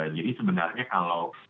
jadi sebenarnya kalau